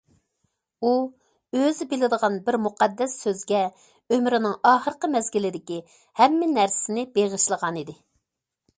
ئۇ، ئۆزى بىلىدىغان بىر مۇقەددەس سۆزگە ئۆمرىنىڭ ئاخىرقى مەزگىلىدىكى ھەممە نەرسىسىنى بېغىشلىغانىدى.